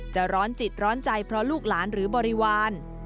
ร้อนจิตร้อนใจเพราะลูกหลานหรือบริวาร